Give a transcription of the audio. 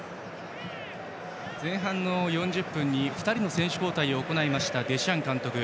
前半の４０分に２人の選手交代を行ったデシャン監督。